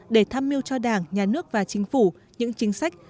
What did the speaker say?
để tham mưu cho đảng nhà nước và chính phủ những chính sách